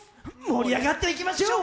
盛り上がっていきましょう。